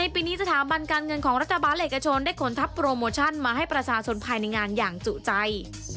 โปรโมชั่นมาให้ประชาชนภายในงานอย่างจุใจ